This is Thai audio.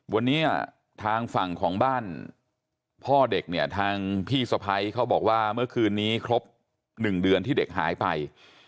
วันนี้ทางฝั่งของบ้านพ่อเด็กเนี่ยทางพี่สะพ้ายเขาบอกว่าเมื่อคืนนี้ครบ๑เดือนที่เด็กหายไป